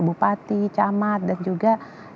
bupati camat dan juga